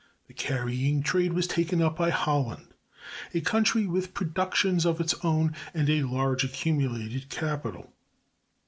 The carrying trade was taken up by Holland, a country with productions of its own and a large accumulated capital.